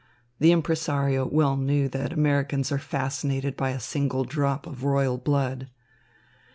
The impresario well knew that Americans are fascinated by a single drop of royal blood.